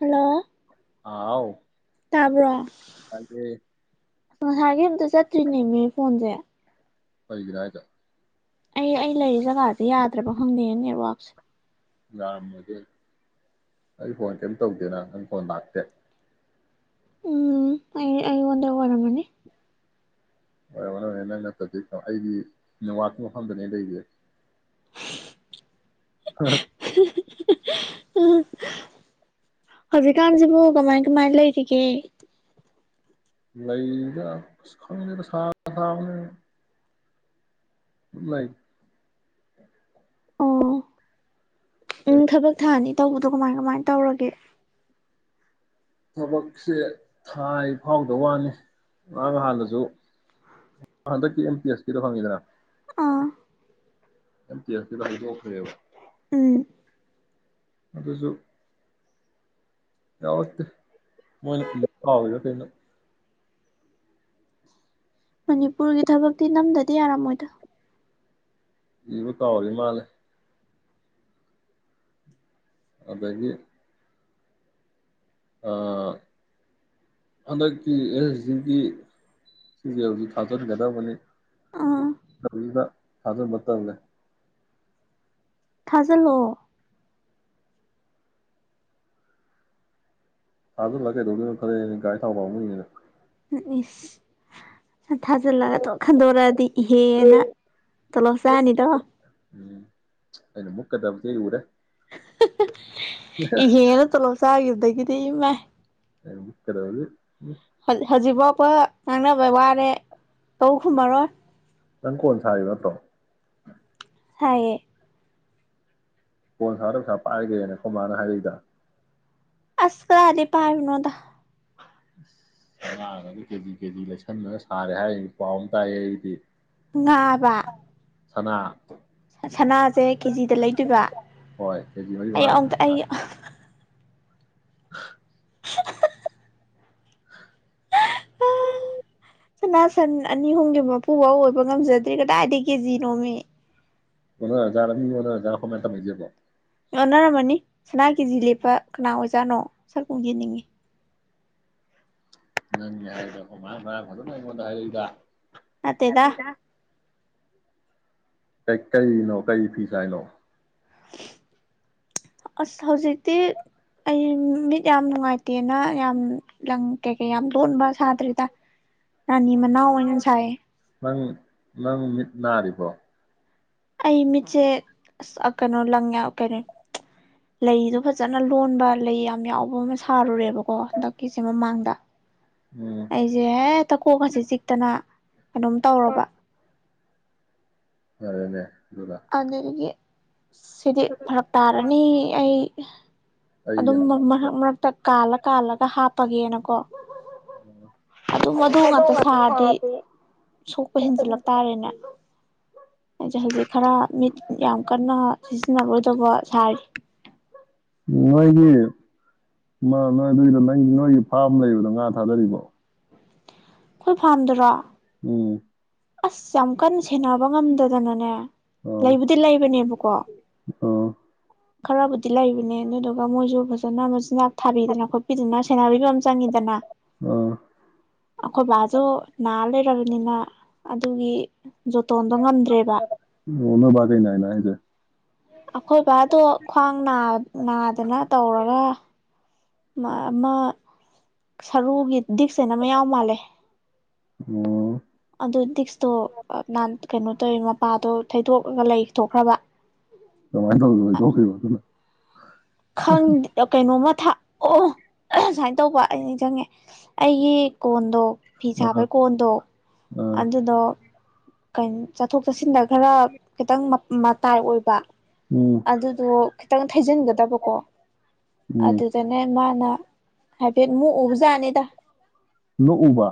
hello ꯑꯥ ꯍꯥꯎ ꯇꯥꯕ꯭ꯔꯣ ꯇꯥꯏꯌꯦ ꯉꯁꯥꯏꯒꯤ ꯑꯝꯇ ꯆꯠꯇ꯭ꯔꯤꯅꯦꯃꯤ ꯐꯣꯟꯁꯦ ꯀꯩꯒꯤꯅꯣ ꯍꯥꯏꯖꯦ ꯑꯩ ꯑꯩ ꯂꯩꯔꯤ ꯀꯥꯁꯦ ꯌꯥꯗ꯭ꯔꯕ ꯈꯪꯗꯦ ꯅꯦꯠꯋꯥꯛ [inaudible] ꯌꯥꯔꯝꯃꯗꯤ ꯑꯩ ꯐꯣꯟ ꯀꯩꯏꯝ ꯇꯧꯒꯦꯅ ꯅꯪ ꯐꯣꯟ ꯂꯥꯛꯇꯦ ꯎꯝ ꯑꯩ ꯑꯩ ꯉꯣꯟꯗ ꯑꯣꯏꯔꯝꯒꯅꯤ ꯑꯣꯏ ꯑꯣꯟꯅꯔꯦ ꯅꯪ ꯅꯠꯇꯗꯤ ꯑꯩꯗꯤ ꯅꯦꯠꯋꯥꯛꯀꯤ ꯃꯐꯝꯗꯅꯦ ꯂꯩꯁꯦ ꯍꯥ ꯍꯥ ꯍꯧꯖꯤꯛꯀꯥꯟꯁꯤꯕꯨ ꯀꯃꯥꯏ ꯀꯃꯥꯏ ꯂꯩꯔꯤꯒꯦ ꯂꯩꯔꯤꯗ ꯈꯪꯗꯦꯗ ꯁꯥꯒ ꯁꯥꯕꯅꯦ ꯂꯩ ꯑꯣ ꯎꯝ ꯊꯕꯛ ꯊꯥꯅꯤ ꯇꯧꯕꯗꯣ ꯀꯃꯥꯏ ꯀꯃꯥꯏ ꯇꯧꯔꯒꯦ ꯊꯕꯛꯁꯦ ꯊꯥꯏ ꯐꯥꯎꯗ ꯋꯥꯅꯤ ꯉꯥꯔꯥꯡꯍꯥꯟꯗꯁꯨ ꯍꯟꯗꯛꯀꯤ ꯑꯦꯝ ꯄꯤ ꯑꯦꯁ ꯀꯤꯗꯣ ꯈꯪꯉꯤꯗꯅ ꯑꯥ ꯅꯠꯇꯦ ꯑꯗꯨ ꯍꯩꯗꯣꯛꯈ꯭ꯔꯦꯕ ꯎꯝ ꯑꯗꯨꯁꯨ ꯌꯥꯎꯔꯛꯇꯦ ꯃꯣꯏ ꯏꯕ ꯀꯥꯎꯔꯤꯔꯥꯥ ꯀꯩꯅꯣ ꯃꯅꯤꯄꯨꯔꯒꯤ ꯊꯕꯛꯇꯤ ꯅꯝꯗꯗꯤ ꯌꯥꯔꯝꯃꯣꯏꯗ ꯏꯕ ꯀꯥꯎꯔꯤ ꯃꯥꯜꯂꯦ ꯑꯗꯒꯤ ꯑꯥ ꯍꯟꯗꯛꯀꯤ ꯑꯦꯁ ꯗꯤꯁꯤꯒꯤ ꯁꯤꯁꯦ ꯍꯧꯖꯤꯛ ꯊꯥꯖꯤꯟꯒꯗꯕꯅꯤ ꯑꯥ ꯊꯥꯖꯤꯟꯕ ꯇꯜꯂꯦ ꯊꯥꯖꯜꯂꯣ ꯊꯥꯖꯜꯂ ꯀꯩꯗꯧꯗꯣꯏꯅꯣ [unintelligible] ꯒꯥꯔꯤ ꯊꯥꯎ ꯄꯥꯝꯃꯨꯏꯌꯦꯅ ꯏꯁ ꯊꯥꯖꯤꯜꯂꯒ ꯇꯣꯛ ꯈꯟꯗꯣꯔꯛꯑꯗꯤ ꯏꯍꯦꯅ ꯇꯣꯂꯣꯞ ꯆꯥꯅꯤꯗꯣ ꯎꯝ [unintelligible] [inaudible] ꯏꯍꯦꯜ ꯇꯣꯂꯣꯞ ꯆꯥꯒꯤꯕꯗꯒꯤꯗꯤ ꯏꯃꯥꯏ [unintelligible] ꯍꯧꯖꯤꯛ ꯐꯥꯎꯕ ꯉꯥꯡꯅꯕ ꯋꯥꯔꯦ ꯇꯧ ꯈꯨꯝꯃꯔꯣꯏ ꯅꯪ ꯀꯣꯟ ꯁꯥꯔꯤꯕ ꯅꯠꯇ꯭ꯔꯣ ꯁꯥꯏꯌꯦ ꯀꯣꯟꯁꯥꯕꯗ ꯄꯩꯁꯥ ꯄꯥꯏꯒ꯭ꯔꯦꯅ ꯈꯣꯏ ꯃꯥꯅ ꯍꯥꯏꯔꯛꯏꯗ ꯑꯁ ꯀꯗꯥꯏꯗꯩꯩ ꯄꯥꯏꯕꯅꯣꯗ ꯑꯁ ꯁꯅꯥꯒꯁꯦ ꯀꯦꯖꯤ ꯀꯦꯖꯤ ꯂꯩꯁꯟꯂꯒ ꯁꯥꯔꯦ ꯍꯥꯏꯔꯤ ꯄꯥꯎ ꯑꯃ ꯇꯥꯏꯌꯦ ꯑꯩꯗꯤ ꯉꯥꯕ ꯁꯅꯥ ꯁꯅꯥꯁꯦ ꯀꯦꯖꯤꯗ ꯂꯩꯗꯣꯏꯕ ꯍꯣꯏ ꯀꯦꯖꯤ ꯃꯔꯤ ꯑꯩ ꯃꯉꯥ ꯂꯩꯁꯟ ꯑꯃꯨꯛꯇ ꯑꯩ [inaudible] [inaudible] ꯁꯅꯥ ꯁꯟ ꯑꯅꯤ ꯑꯍꯨꯝꯒꯤ ꯃꯄꯨ ꯕꯧ ꯑꯣꯏꯕ ꯉꯝꯖꯗ꯭ꯔꯤ ꯀꯗꯥꯏꯗꯒꯤ ꯀꯦꯖꯤ ꯅꯣꯃꯤ ꯑꯣꯅꯔ ꯖꯥꯠꯂ ꯃꯤ ꯑꯣꯅꯔ ꯖꯥꯠꯂ ꯑꯈꯣꯏ ꯃꯥꯅ ꯇꯝꯃꯛꯏꯁꯤꯕꯣ ꯑꯣꯟꯅꯔꯝꯃꯅꯤ ꯁꯅꯥ ꯀꯦꯖꯤ ꯂꯦꯞꯄ ꯀꯅꯥ ꯑꯣꯏꯖꯥꯠꯅꯣ ꯁꯛꯀꯨꯝ ꯌꯦꯡꯅꯤꯡꯉꯤ ꯅꯪꯅꯤ ꯍꯥꯏꯗ ꯑꯩꯈꯣꯏ ꯃꯥꯅ ꯉꯔꯥꯡ ꯐꯖꯟꯅ ꯑꯩꯉꯣꯟꯗ ꯍꯥꯏꯔꯛꯏꯗ ꯅꯠꯇꯦꯗ ꯀꯩ ꯀꯩꯅꯣ ꯀꯔꯤ ꯐꯤ ꯁꯥꯏꯅꯣ ꯑꯁ ꯍꯧꯖꯤꯛꯇꯤ ꯑꯩ ꯃꯤꯠ ꯌꯥꯝ ꯅꯨꯡꯉꯥꯏꯇꯦꯅ ꯌꯥꯝ ꯂꯪ ꯀꯩ ꯃꯌꯥꯝ ꯂꯣꯟꯕ ꯁꯥꯗ꯭ꯔꯤꯗ ꯔꯥꯅꯤ ꯃꯅꯥꯎ ꯑꯣꯏꯅ ꯁꯥꯏꯌꯦ ꯅꯪ ꯅꯪ ꯃꯤꯠ ꯅꯔꯤꯕꯣ ꯑꯩ ꯃꯤꯠꯁꯦ ꯑꯁ ꯑꯥ ꯀꯩꯅꯣ ꯂꯪ ꯌꯥ ꯀꯔꯤ ꯂꯩꯗꯣ ꯐꯖꯅ ꯂꯣꯟꯕ ꯂꯩ ꯌꯥꯝ ꯌꯥꯎꯕ ꯑꯃ ꯁꯥꯔꯨꯔꯦꯕꯀꯣ ꯍꯟꯗꯛꯀꯤꯁꯦ ꯃꯃꯥꯡꯗ ꯎꯝ ꯑꯩꯁꯦ ꯍꯦꯛꯇ ꯀꯣꯛꯀꯁꯦ ꯆꯤꯛꯇꯅ ꯀꯩꯅꯣꯝ ꯇꯧꯔꯕ ꯐꯔꯦꯅꯦ ꯑꯗꯨꯒ ꯑꯗꯨꯗꯒꯤ ꯁꯤꯗꯤ ꯐꯔꯛ ꯇꯥꯔꯅꯤ ꯑꯩ ꯑ꯭ꯍ ꯑꯗꯨꯝ ꯑꯩ ꯃ ꯃꯔꯛ ꯃꯔꯛꯇ ꯀꯥꯜꯂ ꯀꯥꯜꯂꯒ ꯍꯥꯞ ꯄꯒꯦꯅꯀꯣ ꯑꯗꯨꯝ ꯑꯗꯨ ꯉꯥꯛꯇ ꯁꯥꯔꯗꯤ ꯁꯣꯛꯄ ꯍꯦꯟꯖꯤꯜꯂꯛꯇꯥꯥꯔꯦꯅꯦ ꯑꯩꯖꯦ ꯍꯧꯖꯤꯛ ꯈꯔ ꯃꯤꯠ ꯌꯥꯝ ꯀꯟꯅ ꯅ ꯁꯤꯖꯤꯟꯅꯧꯔꯨ ꯃꯣꯏꯒꯤ ꯅ ꯅꯣꯏ ꯑꯗꯨꯏꯗꯣ ꯂꯩ ꯅꯣꯏꯒꯤ ꯐꯥꯔꯝ ꯂꯩꯕꯗꯣ ꯉꯥ ꯊꯥꯗꯔꯤꯕꯣ ꯑꯩꯈꯣꯏ ꯐꯥꯝꯗꯨꯔꯣ ꯎꯝ ꯑꯁ ꯌꯥꯝ ꯀꯟꯅ ꯁꯦꯟꯅꯕ ꯉꯝꯗꯗꯅꯅꯦ ꯑꯥ ꯂꯩꯕꯨꯗꯤ ꯂꯩꯕꯅꯦꯕꯀꯣ ꯑꯥ ꯈꯔꯕꯨꯗꯤ ꯂꯩꯕꯅꯦ ꯑꯗꯨꯗꯨꯒ ꯃꯣꯏꯁꯨ ꯐꯖꯅ ꯃꯆ ꯅꯥꯥꯛ ꯊꯥꯕꯤꯗꯅ ꯈꯣꯠꯄꯤꯗꯅ ꯆ [unintelligible] ꯆꯪꯉꯤꯗꯅ ꯑꯥ ꯑꯩꯈꯣꯏ ꯕꯥꯁꯨ ꯅꯥ ꯂꯩꯔꯕꯅꯤꯅ ꯑꯗꯨꯒꯤ ꯖꯣꯇꯣꯟꯗꯣ ꯉꯝꯗ꯭ꯔꯦꯕ ꯑꯣ ꯅꯣꯏꯕꯗꯤ ꯒꯩ ꯅꯥꯏꯅꯣ ꯍꯥꯏꯖꯦ ꯑꯩꯈꯣꯏ ꯕꯥꯗꯣ ꯈ꯭ꯋꯥꯡ ꯅꯥ ꯅꯥꯗꯅ ꯇꯧꯔꯒ ꯃ ꯑꯃ ꯁꯔꯨꯒꯤ ꯗꯤꯛꯁ ꯍꯥꯏꯅ ꯑꯃ ꯌꯥꯎ ꯃꯥꯜꯂꯦ ꯑꯣ ꯑꯗꯨ ꯗꯤꯛꯁꯇꯣ ꯑ ꯅꯥꯟ ꯀꯩꯅꯣ ꯇꯧꯋꯦ ꯃꯄꯥꯗꯣ ꯊꯩꯗꯣꯛꯑꯒ ꯂꯩꯊꯣꯛꯈ꯭ꯔꯕ ꯀꯃꯥꯏ ꯇꯧꯗꯅ ꯐꯩꯗꯣꯛꯈ꯭ꯔꯤꯕ ꯑꯗꯨꯅ ꯈꯪꯗ ꯑ ꯀꯩꯅꯣ ꯅꯣꯡꯃ ꯊꯥꯛ ꯑꯣ ꯁꯥꯏ ꯇꯧꯕ ꯑꯩꯩ ꯅꯤꯡꯆꯪꯉꯦ ꯑꯩꯒꯤ ꯀꯣꯟꯗꯣ ꯐꯤ ꯑꯥ ꯁꯥꯕꯩ ꯀꯣꯟꯗꯣ ꯑꯥ ꯑꯗꯨꯗꯣ ꯀꯩꯟ ꯆꯠꯊꯣꯛ ꯆꯠꯁꯤꯟꯗ ꯈꯔ ꯈꯤꯇꯪ ꯃ ꯃꯇꯥꯏ ꯑꯣꯏꯕ ꯎꯝ ꯑꯗꯨꯗꯣ ꯈꯤꯇꯪ ꯊꯩꯖꯤꯟꯒꯗꯞ ꯀꯣ ꯎꯝ ꯑꯗꯨꯗꯅꯦ ꯃꯥꯅ ꯍꯥꯏ ꯐꯦꯠ ꯃꯨꯛꯎꯕꯖꯥꯅꯤꯗ ꯅꯣꯛꯎꯕ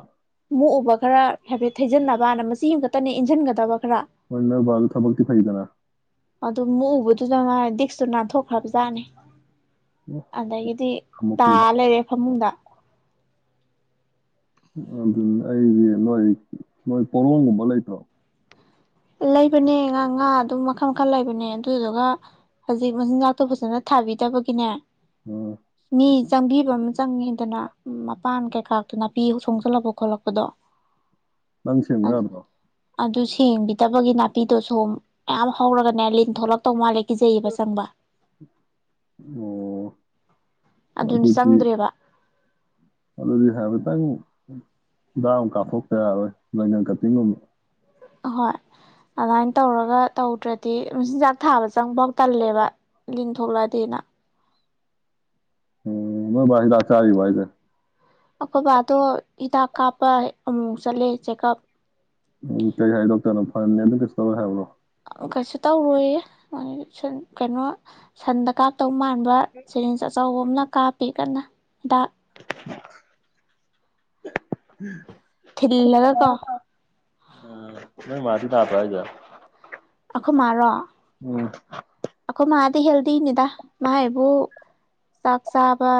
ꯃꯨꯛꯎꯕ ꯈꯔ ꯍꯥꯏꯐꯦꯠ ꯊꯩꯖꯟꯅꯕꯅ ꯃꯆꯤ ꯑꯝ ꯈꯛꯇꯅꯦ ꯏꯟꯁꯤꯟꯒꯗꯕ ꯈꯔ ꯅꯣꯏ ꯕꯥꯁꯨ ꯊꯕꯛꯗ ꯐꯤꯗꯅ ꯑꯗꯨ ꯃꯨꯛꯎꯕꯗꯨꯗ ꯃꯥ ꯗꯤꯛꯁꯇꯨ ꯅꯥꯟꯊꯣꯛꯈ꯭ꯔꯕꯖꯥꯠꯅꯦ ꯑꯗꯒꯤꯗꯤ ꯇꯥ ꯑꯃꯨꯛꯄꯗ ꯂꯩꯔꯦ ꯐꯃꯨꯡꯗ ꯑꯗꯨ ꯑꯩ ꯅꯣꯏ ꯅꯣꯏ ꯄꯣꯔꯣꯝꯒꯨꯝꯕ ꯂꯩꯇ꯭ꯔꯣ ꯂꯩꯕꯅꯦ ꯉꯥ ꯉꯥ ꯑꯗꯨꯝ ꯃꯈꯜ ꯃꯈꯜ ꯂꯩꯕꯅꯦ ꯑꯗꯨꯗꯨꯒ ꯍꯧꯖꯤꯛ ꯃꯆꯤꯟꯖꯥꯛꯇꯣ ꯐꯖꯅ ꯊꯥꯕꯤꯗꯕꯒꯤꯅꯦ ꯑꯥ ꯃꯤꯖ ꯆꯪꯕꯤꯕ ꯑꯃ ꯆꯪꯉꯤꯗꯅ ꯃꯄꯥꯟ ꯀꯩꯀꯥ ꯅꯥꯄꯤ ꯁꯣꯡꯖꯜꯂꯛꯄ ꯈꯣꯠꯂꯛꯄꯗꯣ ꯅꯪ ꯁꯦꯡꯎ ꯌꯥꯗ꯭ꯔꯣ ꯑꯗꯨ ꯁꯦꯡꯗꯦ ꯗꯕꯒꯤ ꯅꯥꯄꯤꯗꯨ ꯁꯨꯝ ꯃꯌꯥꯝ ꯍꯧꯔꯒꯅꯦ ꯂꯤꯟ ꯊꯣꯛꯂꯛꯇꯧ ꯃꯥꯜꯂꯤ ꯀꯤꯖꯩꯕ ꯆꯪꯕ ꯑꯣ ꯑꯗꯨꯅ ꯑꯗꯨꯗꯤ ꯆꯪꯗ꯭ꯔꯦꯕ ꯑꯗꯨꯗꯤ ꯍꯥꯏꯐꯦꯠꯇꯪ ꯍꯤꯗꯥꯛ ꯑꯃ ꯀꯥꯞꯊꯣꯛꯇ ꯌꯥꯔꯣꯏ ꯖꯪꯒꯟ ꯀꯇꯤꯡꯒꯨꯝ ꯍꯣꯏ ꯑꯗꯨꯃꯥꯏꯅ ꯇꯧꯔꯒ ꯇꯧꯗ꯭ꯔꯗꯤ ꯃꯆꯤꯟꯖꯥꯛ ꯊꯥꯕ ꯆꯪꯐꯥꯎ ꯇꯜꯂꯦꯕ ꯂꯤꯟ ꯊꯣꯛꯂꯛꯑꯗꯤꯅ ꯎ ꯅꯣꯢ ꯕꯥ ꯍꯤꯗꯥꯛ ꯆꯥꯔꯤꯕꯣ ꯍꯥꯏꯁꯦ ꯑꯩꯈꯣꯏꯕꯗꯣ ꯍꯤꯗꯥꯛ ꯀꯥꯞꯄ ꯑꯃꯨꯛ ꯃꯨꯛ ꯆꯠꯂꯦ ꯆꯦꯛꯑꯞ ꯎꯝ ꯀꯩ ꯍꯥꯏ ꯗꯣꯛꯇꯔꯅ ꯐꯔꯅꯤ ꯑꯗꯨ ꯀꯩꯁꯨ ꯇꯧꯔꯣꯢ ꯍꯥꯏꯕ꯭ꯔꯣ ꯀꯩꯁꯨ ꯇꯧꯔꯣꯏꯌꯦ ꯑꯩ ꯁꯟ ꯀꯩꯅꯣ ꯁꯟꯗ ꯀꯥꯞꯇꯧ ꯃꯥꯟꯕ ꯁꯦꯔꯤꯟꯁ ꯑꯆꯧꯕ ꯑꯃꯅ ꯀꯥꯞꯄꯦ ꯀꯟꯅ ꯗ [inaudible] [inaudible] ꯊꯤꯜꯂꯒꯀꯣ ꯅꯣꯢ ꯃꯥꯁꯨ ꯅꯕ꯭ꯔꯣ ꯍꯥꯏꯖꯦ ꯑꯩꯈꯣꯏ ꯃꯥꯥꯔꯣ ꯎꯝ ꯑꯩꯈꯣꯏ ꯃꯥꯗꯤ ꯍꯦꯜꯗꯤꯅꯤꯗ ꯃꯥꯢ ꯍꯥꯢꯕꯨ ꯆꯥꯛ ꯆꯥꯕ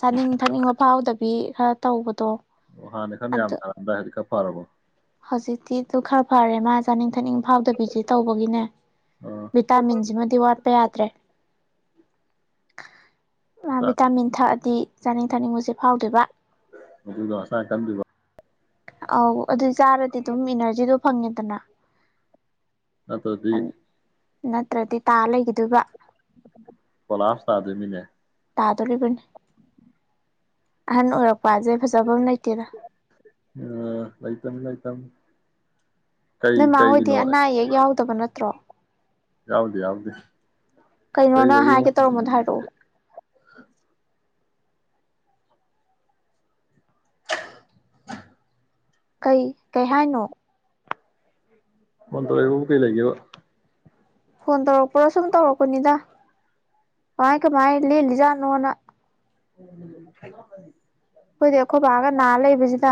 ꯆꯥꯅꯤꯡ ꯊꯛꯅꯤꯡꯕ ꯐꯥꯎꯗꯕꯤ ꯈꯔ ꯇꯧꯕꯗꯣ ꯑꯣ ꯍꯥꯟꯅ ꯋꯥꯈꯜ ꯌꯥꯝ ꯑꯗꯨ ꯇꯥꯔꯝꯗꯥꯢ ꯍꯧꯖꯤꯛ ꯈꯔ ꯐꯔꯕꯣ ꯍꯧꯖꯤꯛꯇꯤ ꯗꯨ ꯈꯔ ꯐꯔꯦ ꯃꯥ ꯆꯥꯅꯤꯡ ꯊꯛꯅꯤꯡ ꯐꯥꯎꯗꯕꯤꯁꯤ ꯇꯧꯕꯒꯤꯅꯦ ꯑꯥ ꯚꯤꯇꯥꯃꯤꯟꯁꯤꯃꯗꯤ ꯋꯥꯠꯄ ꯌꯥꯗ꯭ꯔꯦ ꯃꯥ ꯚꯤꯇꯥꯃꯤꯟ ꯊꯛꯑꯗꯤ ꯆꯥꯅꯤꯡ ꯊꯛꯅꯤꯡꯕꯖꯦ [unintelligible] ꯇꯝꯕꯤꯕ ꯑꯧ ꯑꯗꯨ ꯆꯥꯔꯗꯤ ꯑꯗꯨꯝ ꯏꯅꯔꯖꯤꯗꯣ ꯐꯪꯉꯦꯗꯅ ꯅꯠ꯭ꯔꯗꯤ ꯅꯠꯇ꯭ꯔꯗꯤ ꯇꯥ ꯂꯩꯒꯤꯗꯣꯏꯕ ꯀꯣꯂꯥꯐ ꯇꯥꯗꯣꯏꯃꯤꯅꯦ ꯇꯥꯗꯣꯂꯤꯕꯅꯦ ꯑꯍꯟ ꯑꯣꯏꯔꯛ ꯄꯖꯩ ꯐꯖꯕ ꯑꯃ ꯂꯩꯇꯦꯗ ꯑꯥ ꯂꯩꯇꯝꯅꯤ ꯂꯩꯇꯝꯅꯤ ꯀꯩ ꯅꯣꯏꯃꯥ ꯍꯣꯏꯗꯤ ꯀꯩꯒꯤꯅꯣ ꯑꯅꯥ ꯑꯌꯦꯛ ꯌꯥꯎꯗꯕ ꯅꯠꯇ꯭ꯔꯣ ꯌꯥꯎꯗꯦ ꯌꯥꯎꯗꯦ ꯀꯩꯅꯣ ꯀꯩ ꯅꯪ ꯂꯩꯒꯦ ꯍꯥꯏꯒꯦ ꯇꯧꯔꯝꯕꯗꯣ ꯍꯥꯏꯔꯛꯑꯣ ꯀꯩ ꯀꯩ ꯍꯥꯏꯅꯣ ꯐꯣꯟ ꯇꯧꯔꯛꯏꯕꯕꯨ ꯀꯩ ꯂꯩꯒꯦꯕ ꯐꯣꯟ ꯇꯧꯔꯛꯄ꯭ꯔꯥ ꯁꯨꯝ ꯇꯧꯔꯛꯄꯅꯤꯗ ꯀꯃꯥꯏ ꯀꯃꯥꯏ ꯂꯦꯜꯂꯤꯖꯥꯠꯅꯣꯅ ꯎꯝ ꯑꯩꯈꯣꯏꯗꯤ ꯑꯩꯈꯣꯏ ꯕꯥꯒ ꯅꯥ ꯂꯩꯕꯖꯤꯗ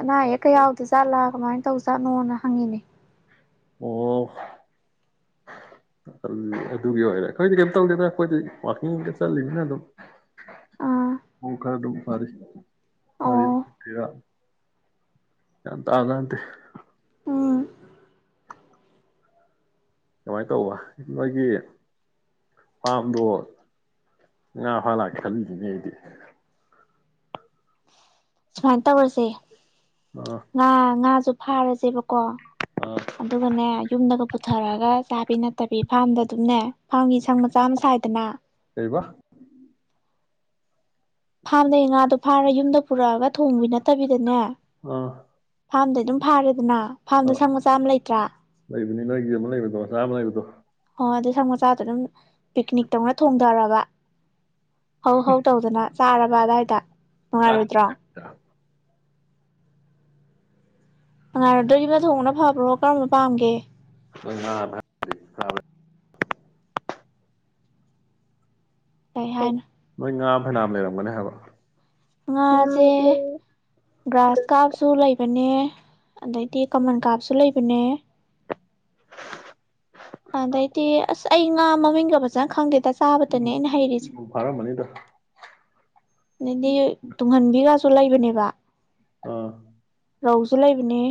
ꯑꯅꯥ ꯑꯌꯦꯛ ꯀꯥ ꯌꯥꯎꯗ ꯖꯥꯠꯂꯥ ꯀꯃꯥꯏ ꯇꯧ ꯖꯥꯠꯅꯣꯅ ꯍꯪꯉꯤꯅꯦ ꯑꯣ ꯇꯜ ꯑꯗꯨꯗꯤ ꯑꯗꯨꯒꯤ ꯑꯣꯏꯔꯦ ꯑꯩꯈꯣꯏꯗꯤ ꯀꯩꯝ ꯇꯧꯗꯦꯗ ꯑꯩꯈꯣꯏꯗꯤ ꯋꯥꯥꯛꯀꯤꯡꯒ ꯆꯠꯂꯤꯕꯅꯤꯅ ꯑꯥ ꯈꯣꯡ ꯈꯔ ꯑꯗꯨꯝ ꯐꯔꯤ ꯑꯣ ꯑ ꯆꯔ [unintelligible] ꯒ꯭ꯌꯥꯟ ꯇꯕꯖꯥꯠ ꯅꯠꯇꯦ ꯎꯝ [inaudible] ꯀꯃꯥꯏꯅ ꯇꯧꯕ ꯅꯣꯏꯒꯤ ꯐꯥꯝꯗꯣ ꯉꯥ ꯐꯥ ꯂꯥꯛꯀꯦ ꯈꯜꯂꯤꯅꯤꯅꯦ ꯑꯩꯗꯤ ꯁꯨꯃꯥꯏ ꯇꯧꯔꯖꯦ ꯑꯥ ꯉꯥ ꯉꯥ ꯗꯨ ꯐꯥꯔꯖꯦꯕꯀꯣ ꯑꯥ ꯑꯗꯨꯒꯅꯦ ꯌꯨꯝꯗꯒ ꯄꯨꯊꯔꯒ ꯆꯥꯕꯤ ꯅꯠꯇꯕꯤ ꯐꯥꯔꯝꯗ ꯑꯗꯨꯝꯅꯦ ꯐꯥꯔꯝꯒꯤ ꯁꯪ ꯃꯆꯥ ꯑꯃ ꯁꯥꯏꯗꯅ ꯀꯔꯤꯕ ꯐꯥꯝꯗꯩ ꯉꯥꯗꯣ ꯐꯥꯔ ꯌꯨꯝꯗ ꯄꯨꯔꯛꯑꯒ ꯊꯣꯡꯕ ꯅꯠꯇꯕꯤꯗꯅꯦ ꯑꯥ ꯐꯥꯝꯗꯩ ꯑꯗꯨꯝ ꯐꯥꯔꯦꯗꯅ ꯐꯥꯔꯝꯗ ꯑꯥ ꯁꯪ ꯃꯆꯥ ꯑꯃ ꯂꯩꯇ꯭ꯔꯥ ꯂꯩꯕꯅꯤ ꯅꯣꯏꯒꯤ ꯑꯃ ꯂꯩꯕꯗꯣ ꯃꯆꯥ ꯑꯃ ꯂꯩꯕꯗꯣ ꯍꯣꯏ ꯑꯗꯨ ꯁꯪ ꯃꯆꯥꯗ ꯑꯗꯨꯝ ꯄꯤꯛꯅꯤꯛꯇꯧꯅ ꯊꯣꯡꯊꯔꯕ ꯍꯧ ꯍꯧ ꯇꯧꯗꯅ ꯆꯥꯔꯕ ꯑꯗꯨꯋꯥꯏꯗ [unintelligible] ꯅꯨꯡꯉꯥꯏꯔꯣꯏꯗꯣꯗꯤ ꯌꯨꯝꯗ ꯊꯣꯡꯕꯅ ꯐꯕ꯭ꯔꯣ ꯀꯔꯝꯕ ꯄꯥꯝꯒꯦ [unintelligible] ꯀꯩ ꯍꯥꯏꯅꯣ ꯃꯣꯏ ꯉꯥ ꯐꯅꯥꯝ ꯂꯩꯔꯝꯒꯅꯤ ꯍꯥꯏꯕ ꯉꯥꯁꯦ ꯒ꯭ꯔꯥꯁ ꯀꯥꯞꯁꯨ ꯂꯩ ꯕꯅꯦ ꯑꯗꯩꯒꯤ ꯀꯃꯟ ꯀꯥꯞꯁꯨ ꯂꯩꯕꯅꯦ ꯑꯗꯩꯗꯤ ꯑꯁ ꯑꯩ ꯉꯥ ꯃꯃꯤꯡꯒ ꯐꯖꯅ ꯈꯪꯗꯦꯗ ꯆꯥꯕꯇꯅꯦ ꯑꯩꯅ ꯍꯩꯔꯤꯁꯦ ꯐꯥꯔꯝꯃꯅꯤꯗ ꯑꯗꯩꯗꯤ ꯇꯨꯡꯍꯟꯕꯤꯀꯥꯁꯨ ꯂꯩꯕꯅꯦꯕ ꯑꯥ ꯔꯧꯖꯨ ꯂꯩꯕꯅꯦ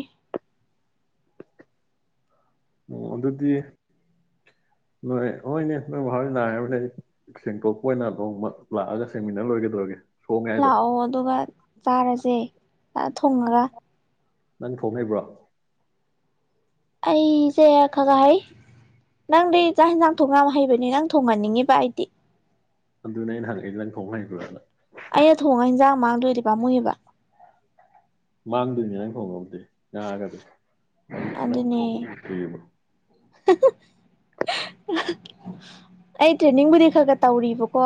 ꯑꯣ ꯑꯗꯨꯗꯤ ꯅꯣꯏ ꯍꯣꯏꯅꯦ ꯅꯣꯏ ꯃꯥ ꯅꯥꯏꯍꯥꯏꯔꯕꯅꯤꯅ ꯑꯩ ꯁꯦꯡꯇꯣꯛꯄ ꯑꯣꯏꯅ ꯅꯣꯡꯃ ꯂꯥꯛꯑꯒ ꯁꯦꯡꯃꯤꯟꯅ ꯂꯣꯏꯔꯦꯀꯩꯗꯧꯔꯒꯦ ꯂꯥꯛꯑꯣ ꯑꯗꯨꯒꯥ ꯆꯥꯔꯖꯦ ꯐꯥ ꯊꯣꯡꯉꯒ ꯅꯪ ꯊꯣꯡ ꯍꯩꯕ꯭ꯔꯣ ꯑꯩꯖꯦ ꯈꯒꯥ ꯍꯩ ꯅꯪꯗꯤ ꯆꯥꯛ ꯍꯤꯟꯖꯥꯡ ꯊꯣꯡꯕ ꯌꯥꯝ ꯍꯩꯕꯅꯦ ꯅꯪ ꯊꯣꯡꯍꯟꯅꯤꯡꯉꯤꯕ ꯑꯩꯗꯤ ꯑꯗꯨꯅꯦ ꯑꯩꯅ ꯍꯪꯉꯛꯏꯗꯤ ꯅꯪ ꯊꯣꯡꯍꯩꯕ꯭ꯔꯥꯅ ꯑꯩꯅ ꯊꯣꯡꯉ ꯍꯟꯖꯥꯡ ꯃꯥꯡꯗꯣꯏꯗꯤ ꯄꯥꯝꯃꯨꯏꯕ ꯃꯥꯡꯗꯣꯏꯅꯦ ꯅꯪ ꯊꯣꯡꯉꯕꯨꯗꯤ ꯉꯥꯒꯗꯤ ꯅꯪ ꯑꯗꯨꯅꯦ ꯊꯣꯡꯕ ꯎꯗ꯭ꯔꯤꯕ ꯑꯩ ꯇ꯭ꯔꯦꯅꯤꯡꯕꯨꯗꯤ ꯈꯔ ꯈꯔ ꯇꯧꯔꯤꯕ ꯀꯣ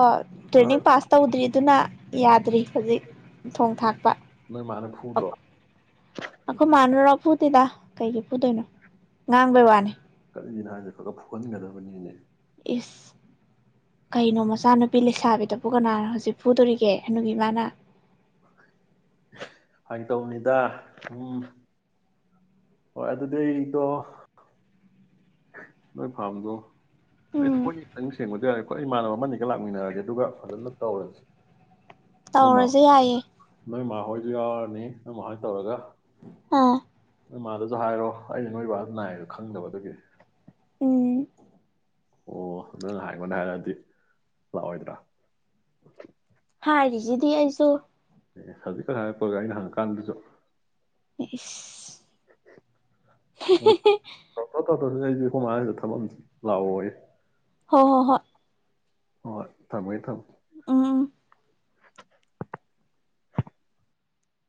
ꯇ꯭ꯔꯦꯅꯤꯡ ꯄꯥꯁ ꯇꯧꯗ꯭ꯔꯤꯗꯨꯅ ꯌꯥꯗ꯭ꯔꯤ ꯍꯧꯖꯤꯛ ꯊꯣꯡ ꯊꯥꯛ ꯅꯣꯏ ꯃꯥꯅ ꯐꯨꯗ꯭ꯔꯣ ꯑꯩꯈꯣꯏ ꯃꯥꯅꯔꯣ ꯐꯨꯗꯦꯗ ꯀꯩꯒꯤ ꯐꯨꯗꯣꯏꯅꯣ ꯉꯥꯡꯕꯩ ꯋꯥꯅꯤ ꯀꯔꯤꯅ ꯍꯥꯏꯁꯦ ꯈꯔ ꯈꯔ ꯐꯨꯍꯟꯒꯗꯕꯅꯤꯅꯦ ꯏꯁ ꯀꯩꯅꯣ ꯃꯆꯥꯅꯨꯄꯤ ꯂꯩꯁꯥꯕꯤꯗꯕꯨ ꯀꯅꯅꯥ ꯍꯧꯖꯤꯛ ꯐꯨꯗꯣꯔꯤꯒꯦ ꯍꯥꯅꯨꯕꯤꯃꯥꯅ ꯐꯥꯒꯤ ꯇꯧꯕꯅꯤꯗ ꯁꯨꯝ ꯍꯣꯏ ꯑꯗꯨꯗꯤ ꯑꯩꯗꯣ ꯅꯣꯏꯐꯥꯝꯗꯣ ꯎꯝ ꯑꯩꯈꯣꯏ ꯅꯤꯇꯪ ꯁꯦꯡꯕꯗꯤ ꯌꯥꯔꯦ ꯑꯩꯈꯣꯏ ꯏꯃꯥꯟꯅꯕ ꯑꯃꯅꯤꯒ ꯂꯥꯛꯃꯤꯟꯅꯔꯒꯦ ꯑꯗꯨꯒ ꯐꯖꯅ ꯇꯧꯔꯁꯤ ꯇꯧꯔꯖꯦ ꯌꯥꯏꯌꯦ ꯈꯣꯏꯖꯨ ꯌꯥꯎꯔꯅꯤ ꯅꯣꯏ ꯃꯍꯣꯏ ꯇꯧꯔꯒ ꯑꯥ ꯅꯣꯏ ꯃꯥꯗꯁꯨ ꯍꯥꯏꯔꯣ ꯑꯩꯩꯅ ꯅꯣꯏ ꯕꯥꯗꯨ ꯅꯥꯏꯌꯦꯗꯣ ꯈꯪꯗꯕ ꯑꯗꯨꯒꯤ ꯎꯝ ꯑꯣ ꯅꯪ ꯍꯥꯏ ꯑꯩꯉꯣꯟꯗ ꯍꯥꯏꯔꯛꯑꯗꯤ ꯂꯥꯛꯑꯣꯏꯗ꯭ꯔ ꯍꯥꯏꯔꯤꯁꯤꯗꯤ ꯑꯩꯖꯨ ꯑꯦ ꯍꯧꯖꯤꯛꯈꯛ ꯍꯥꯏꯔꯛꯄꯒ ꯑꯩꯅ ꯍꯪꯉꯀꯥꯟꯗꯁꯨ ꯏꯁ [inaudible] ꯍꯣ ꯑꯩꯗꯨꯗꯤ ꯈꯣꯃꯥ ꯊꯕꯛ ꯑꯃ ꯂꯥꯛꯑꯣꯌꯦ ꯍꯣ ꯍꯣ ꯍꯣꯏ ꯍꯣꯏ ꯊꯝꯃꯩ ꯊꯝ ꯎꯝ